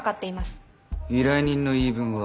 依頼人の言い分は？